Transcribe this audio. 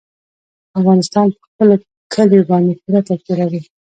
افغانستان په خپلو کلیو باندې پوره تکیه لري.